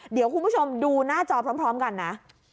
เดี๋ยวคุณผู้ชมดูหน้าจอพร้อมกันนะ